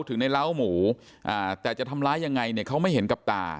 ถึงในร้าวหมูแต่จะทำร้ายยังไงเนี่ยเขาไม่เห็นกับตา